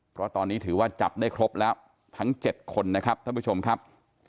เพราะตอนนี้ถือว่าจับได้ครบแล้วทั้ง๗คนนะครับท่านผู้ชมครับ